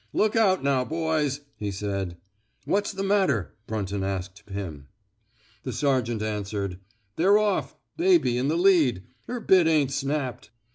Look out, now, boys," he said. What's the matter! " Brunton asked Pim. The sergeant answered: They're off. * Baby ' in the lead. Her bit ain't snapped."